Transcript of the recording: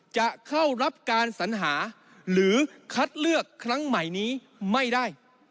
จะเข้ารับการสัญหาหรือคัดเลือกครั้งใหม่นี้ไม่ได้